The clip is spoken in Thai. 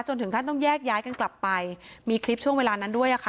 ถึงขั้นต้องแยกย้ายกันกลับไปมีคลิปช่วงเวลานั้นด้วยอ่ะค่ะ